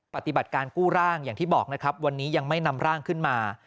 ปฏิบัติการกู้ร่างอย่างที่บอกนะครับวันนี้ยังไม่นำร่างขึ้นมา